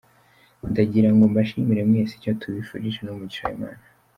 Ndagira ngo mbashimire mwese, icyo tubifurije ni umugisha w’Imana.